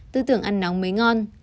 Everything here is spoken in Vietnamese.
tư tưởng ăn nóng mới ngon